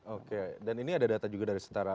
oke dan ini ada data juga dari setara